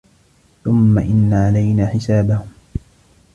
ثُمَّ إِنَّ عَلَينا حِسابَهُم